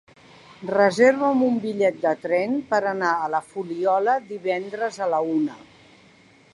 Reserva'm un bitllet de tren per anar a la Fuliola divendres a la una.